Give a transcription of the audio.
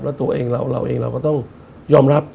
แล้วตัวเองเราเองเราก็ต้องยอมรับ